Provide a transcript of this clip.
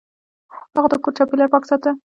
هغه د کور چاپیریال پاک ساته.